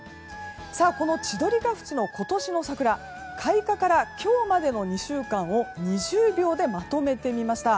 この千鳥ケ淵の今年の桜開花から今日までの２週間を２０秒でまとめてみました。